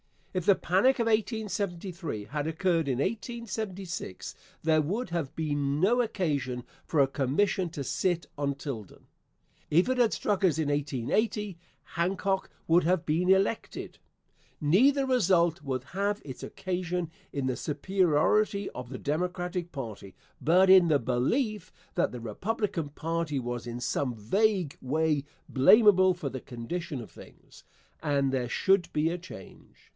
If the panic of 1873 had occurred in 1876 there would have been no occasion for a commission to sit on Tilden. If it had struck us in 1880, Hancock would have been elected. Neither result would have its occasion in the superiority of the Democratic party, but in the belief that the Republican party was in some vague way blamable for the condition of things, and there should be a change.